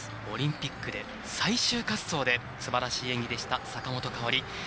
オリンピックで最終滑走ですばらしい演技でした、坂本花織。